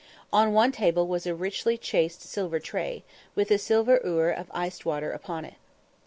On one table was a richly chased silver tray, with a silver ewer of iced water upon it.